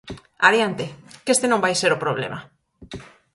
Adiante, que este non vai ser o problema.